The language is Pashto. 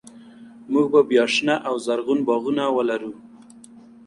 موږ به بیا شنه او زرغون باغونه ولرو.